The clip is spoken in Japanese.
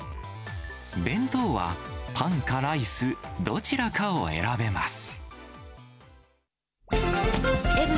弁当はパンかライス、どちらかを選べます。